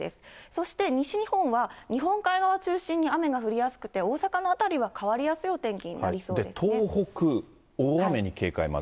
そして西日本は日本海側を中心に雨が降りやすくて大阪の辺りは変わりやすいお天気に東北、大雨に警戒。